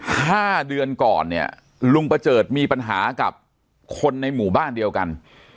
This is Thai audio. ห้าเดือนก่อนเนี่ยลุงประเจิดมีปัญหากับคนในหมู่บ้านเดียวกัน